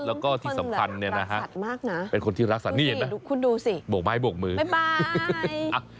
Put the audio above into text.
แล้วก็ที่สำคัญเนี่ยนะฮะเป็นคนที่รักสัตว์มากนะคุณดูสิบวกไม้บวกมือบ๊ายบาย